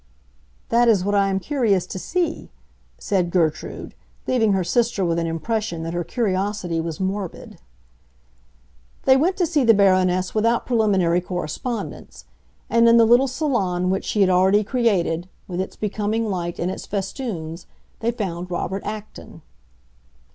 "That is what I am curious to see," said Gertrude, leaving her sister with an impression that her curiosity was morbid. They went to see the Baroness without preliminary correspondence; and in the little salon which she had already created, with its becoming light and its festoons, they found Robert Acton.